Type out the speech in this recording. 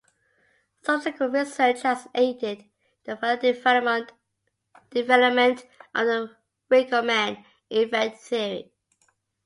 Subsequent research has aided the further development of the Ringelmann effect theory.